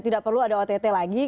tidak perlu ada ott lagi